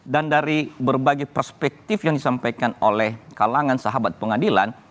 dari berbagai perspektif yang disampaikan oleh kalangan sahabat pengadilan